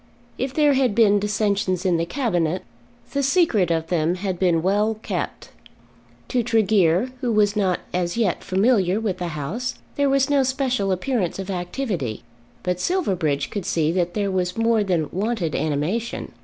If there had been dissensions in the Cabinet, the secret of them had been well kept. To Tregear who was not as yet familiar with the House there was no special appearance of activity; but Silverbridge could see that there was more than wonted animation.